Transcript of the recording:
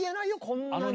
こんなに。